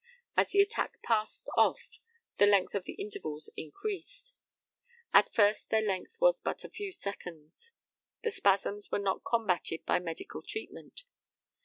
As the attack passed off the length of the intervals increased. At first their length was but a few seconds. The spasms were not combatted by medical treatment.